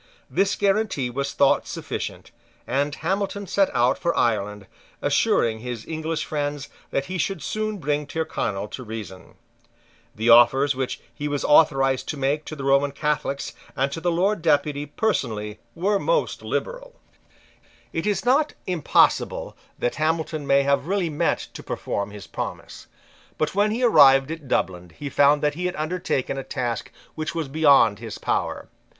This guarantee was thought sufficient; and Hamilton set out for Ireland, assuring his English friends that he should soon bring Tyrconnel to reason. The offers which he was authorised to make to the Roman Catholics and to the Lord Deputy personally were most liberal, It is not impossible that Hamilton may have really meant to perform his promise. But when he arrived at Dublin he found that he had undertaken a task which was beyond his power.